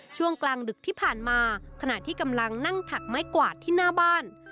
ช่วงกลางดึกที่ผ่านมาขณะที่กำลังนั่งถักไม้กวาดที่หน้าบ้าน